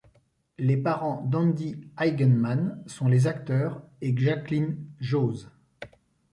Les parents d'Andi Eigenmann sont les acteurs et Jaclyn Jose.